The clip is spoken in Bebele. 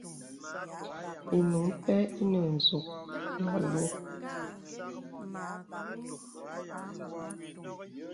Ìnùŋ pɛ̂ inə nə nzùk nə alūū.